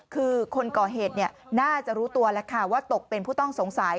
คือคนก่อเหตุน่าจะรู้ตัวแล้วค่ะว่าตกเป็นผู้ต้องสงสัย